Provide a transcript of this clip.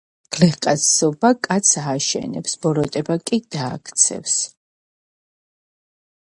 გულკეთილობა კაცს ააშენებს, ბოროტება კი დააქცევს.